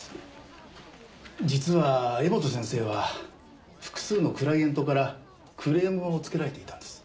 実は柄本先生は複数のクライエントからクレームをつけられていたんです。